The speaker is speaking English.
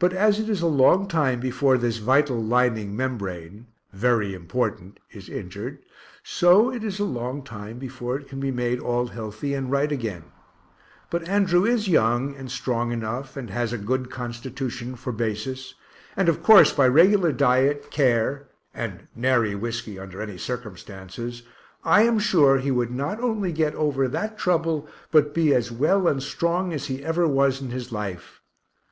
But as it is a long time before this vital lining membrane (very important) is injured, so it is a long time before it can be made all healthy and right again; but Andrew is young and strong enough and [has a] good constitution for basis and of course by regular diet, care, (and nary whiskey under any circumstances) I am sure he would not only get over that trouble, but be as well and strong as he ever was in his life.